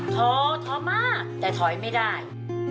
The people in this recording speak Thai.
ท้อท้อมากแต่ถอยไม่ได้